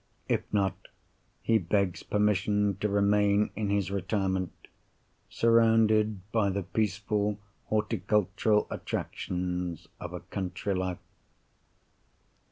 If not, he begs permission to remain in his retirement, surrounded by the peaceful horticultural attractions of a country life.